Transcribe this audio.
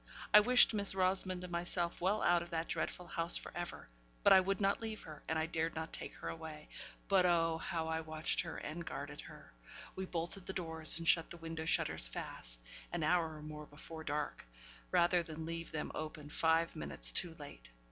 I wished Miss Rosamond and myself well out of that dreadful house for ever; but I would not leave her, and I dared not take her away. But oh, how I watched her, and guarded her! We bolted the doors, and shut the window shutters fast, an hour or more before dark, rather than leave them open five minutes too late.